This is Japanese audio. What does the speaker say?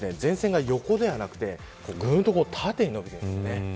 今回は前線が、横ではなくて縦に伸びているんですね。